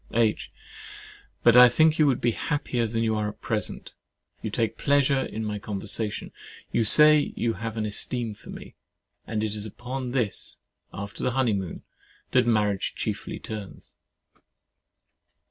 H. But I think you would be happier than you are at present. You take pleasure in my conversation, and you say you have an esteem for me; and it is upon this, after the honeymoon, that marriage chiefly turns.